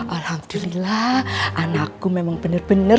alhamdulillah anakku memang bener bener